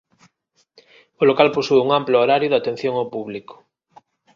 O local posúe un amplo horario de atención ao público.